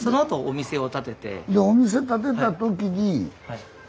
お店建てた時に。